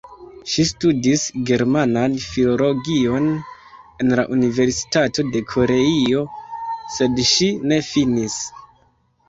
Ŝi studis germanan filologion en la Universitato de Koreio, sed ŝi ne finis.